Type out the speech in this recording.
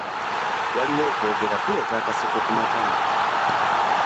Waliwo okwogera kuleeta akaseko ku matama.